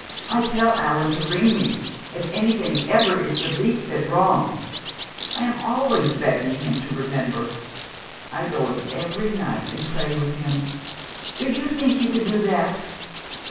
I tell Allan to ring for me if anything ever is the least bit wrong I am always begging him to remember. I go in every night and pray with him do you think you could do that?